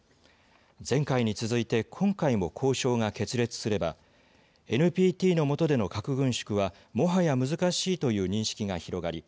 前回に続いて今回も交渉が決裂すればＮＰＴのもとでの核軍縮はもはや難しいという認識が広がり